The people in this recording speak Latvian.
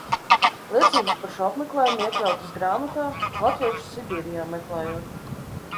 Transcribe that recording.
"Liecības par šo apmeklējumu iekļautas grāmatā "Latviešus Sibīrijā meklējot"."